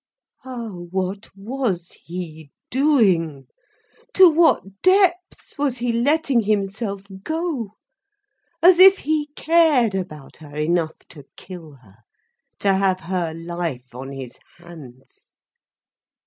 Ah, what was he doing, to what depths was he letting himself go! As if he cared about her enough to kill her, to have her life on his hands!